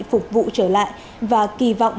phục vụ trở lại và kỳ vọng